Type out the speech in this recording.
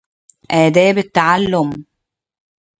آداب التعلم